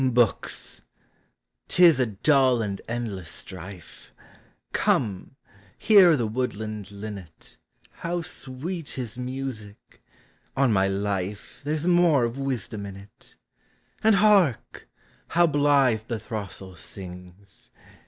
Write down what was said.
Books! 't is a dull and endless strife; Come, hear the woodland linnet — How sweet his music! on my life, There 's more of wisdom in it ! And hark ! how blithe the throstle sings